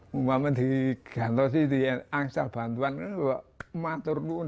bukan dikantosin diangkat bantuan itu masih terlalu